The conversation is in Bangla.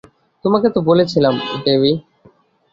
তোমাকে তো বলেছিলাম, ডেভি।